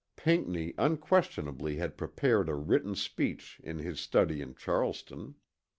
Pinckney unquestionably had prepared a written speech in his study in Charleston.